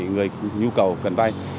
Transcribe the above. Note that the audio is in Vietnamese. người nhu cầu cần vay